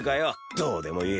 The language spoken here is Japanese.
どうでもいい。